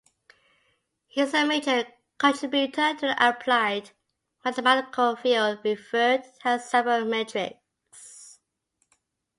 He is a major contributor to the applied mathematical field referred to as sabermetrics.